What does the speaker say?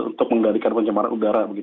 untuk mengendalikan pencemaran udara